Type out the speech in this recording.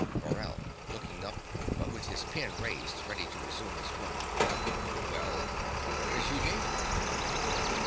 MORELL (looking up, but with his pen raised ready to resume his work). Well? Where is Eugene?